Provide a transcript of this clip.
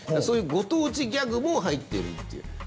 そういうご当地ギャグも入ってるという。